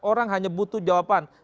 orang hanya butuh jawaban